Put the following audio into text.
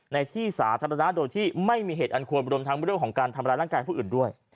ในที่สาธารณะโดยที่ไม่มีเหตุอันควรรวมทั้งเรื่องของการทำร้ายร่างกายผู้อื่นด้วย